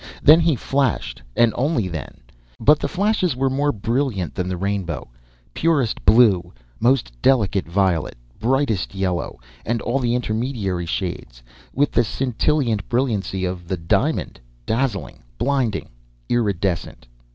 Then he flashed, and only then. But the flashes were more brilliant than the rainbow—purest blue, most delicate violet, brightest yellow, and all the intermediary shades, with the scintillant brilliancy of the diamond, dazzling, blinding, iridescent.